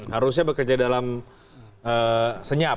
harusnya bekerja dalam senyap